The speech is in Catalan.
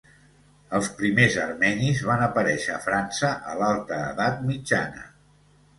Els primers armenis van aparèixer a França a l'alta edat mitjana.